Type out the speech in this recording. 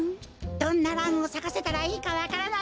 どんなランをさかせたらいいかわからない。